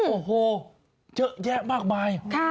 โอ้โหเยอะแยะมากมาย